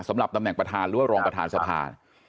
สำหรับตำแหน่งประธานหรือว่ารองประธานสภา